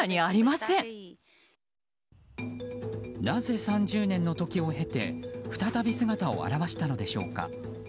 なぜ３０年の時を経て再び姿を現したのでしょうか。